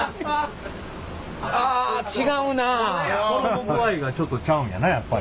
衣具合がちょっとちゃうんやなやっぱり。